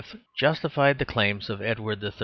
justified the claims of Edward III.